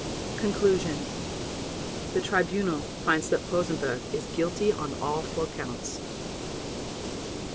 Conclusion. The Tribunal finds that Rosenberg is guilty on all four Counts.